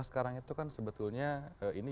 sekarang itu kan sebetulnya ini